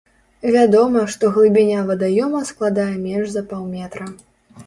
Вядома, што глыбіня вадаёма складае менш за паўметра.